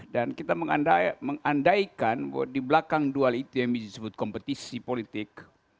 dan kita mengandaikan di belakang duel itu yang disebut kompetisi politik